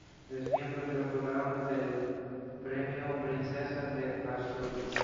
Es miembro del Jurado del Premio Princesa de Asturias.